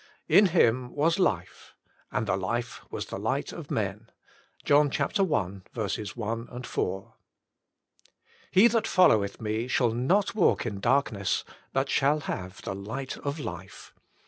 In Him was life. And the Life was the Light of men." — John i. 1, 4. " He that followeth Me shall not walk in darkness, but shall have the Light of Life."